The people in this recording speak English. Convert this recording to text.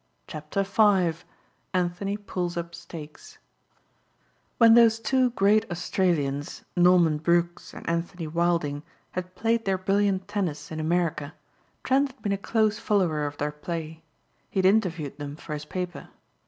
CHAPTER V ANTHONY PULLS UP STAKES WHEN those two great Australians, Norman Brooks and Anthony Wilding, had played their brilliant tennis in America, Trent had been a close follower of their play. He had interviewed them for his paper.